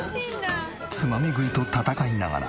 つまみ食いと戦いながら。